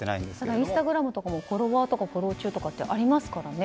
インスタグラムとかもフォロワーとかフォロー中ってありますからね。